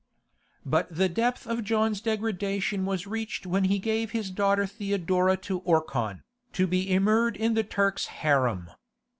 But the depth of John's degradation was reached when he gave his daughter Theodora to Orkhan, to be immured in the Turk's harem.